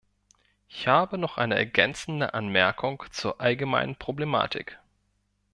Ich habe noch eine ergänzende Anmerkung zur allgemeinen Problematik.